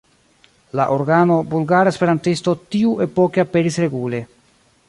La organo "Bulgara Esperantisto" tiuepoke aperis regule.